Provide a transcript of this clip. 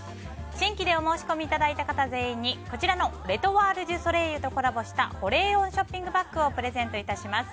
新規でお申し込みいただいた方全員に、こちらのレ・トワール・デュ・ソレイユとコラボした保冷温ショッピングバッグをプレゼント致します。